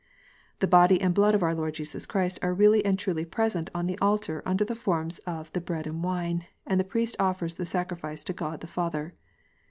The body and blood of our Lord Jesus Christ are really and truly present on the altar under the forms of the bread and wine, and the priest offers the sacrifice to God the Father."